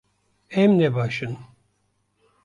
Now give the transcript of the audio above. Em ne baş in